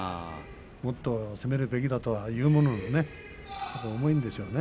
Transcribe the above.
もっと攻めるべきだと思うんですが、重いんでしょうね。